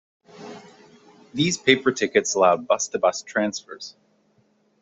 These paper tickets allowed bus to bus transfers.